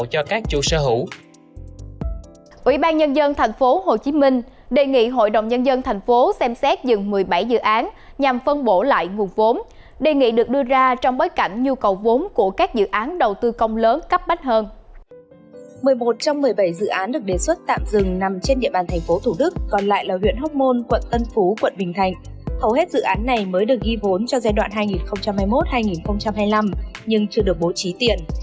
hầu hết dự án này mới được ghi vốn cho giai đoạn hai nghìn hai mươi một hai nghìn hai mươi năm nhưng chưa được bố trí tiện